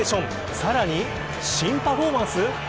さらに、新パフォーマンス。